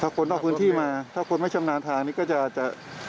อ๋อถ้าคนต้องพื้นที่มาถ้าคนไม่ชำนาญทางนี้ก็จะอาจจะ